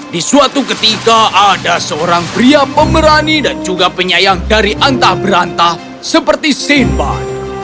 di suatu ketika ada seorang pria pemberani dan juga penyayang dari antah berantah seperti sinbad